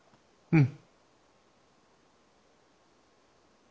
うん。